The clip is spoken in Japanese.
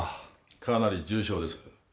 かなり重症です